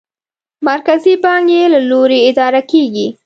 مرکزي بانک یې له لوري اداره کېږي.